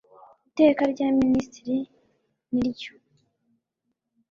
ITEKA RYA MINISITIRI N RYO